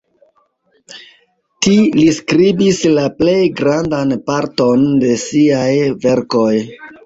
Ti li skribis la plej grandan parton de siaj verkoj.